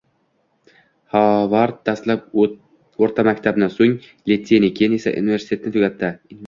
Hovard dastlab oʻrta maktabni, soʻng litseyni, keyin esa universitetni tugatdi